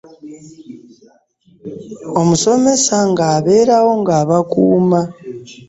Omusomesa ng'abeerawo ng'abakuuma.